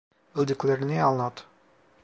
Bildiklerini anlat.